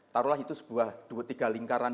taruhlah itu sebuah dua tiga lingkaran